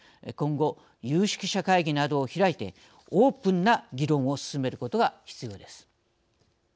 今後有識者会議などを開いてオープンな議論を進めることが必要です。